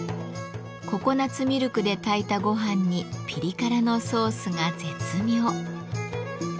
ココナツミルクで炊いたごはんにピリ辛のソースが絶妙。